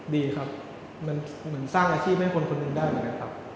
ดีครับมันสร้างอาชีพให้คนหนึ่งได้แบบนั้นครับ